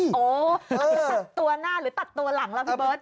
โอ้โหอาจจะตัดตัวหน้าหรือตัดตัวหลังล่ะพี่เบิร์ต